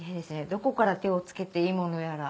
どこから手を付けていいものやら。